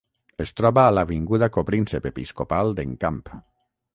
Es troba a l'avinguda Copríncep Episcopal d'Encamp.